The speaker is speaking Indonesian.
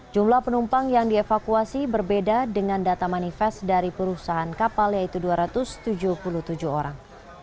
jumlah penumpang yang dievakuasi berbeda dengan data manifest dari perusahaan kapal yaitu dua ratus tujuh puluh tujuh orang